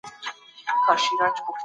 بې ځایه لګښتونه اقتصاد کمزوری کوي.